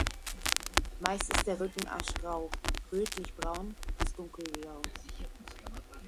Meist ist der Rücken aschgrau, rötlichbraun bis dunkelblau.